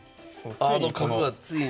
あの角がついに！